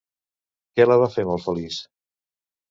Què la va fer molt feliç?